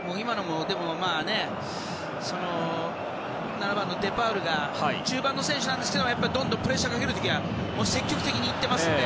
７番のデパウルが中盤の選手なんですけどどんどんプレッシャーをかける時は積極的に行ってますんで。